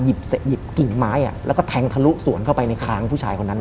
หยิบกิ่งไม้แล้วก็แทงทะลุสวนเข้าไปในค้างผู้ชายคนนั้น